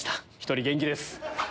１人元気です。